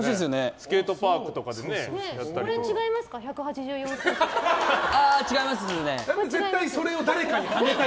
スケートパークとかでやったり。